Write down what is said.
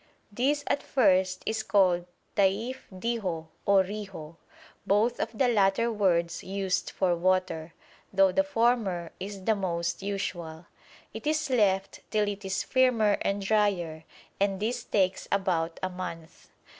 This at first is called taïf diho, or riho, both of the latter words used for water, though the former is the most usual. It is left till it is firmer and drier, and this takes about a month.